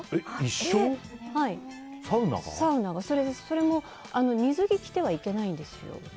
それも水着を着てはいけないんですよ。